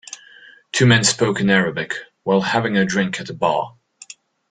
Two men spoke in Arabic while having a drink at the bar.